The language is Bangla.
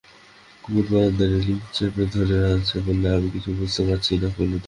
কুমু বারান্দায় রেলিং চেপে ধরে বললে, আমি কিছুই বুঝতে পারছি নে কালুদা।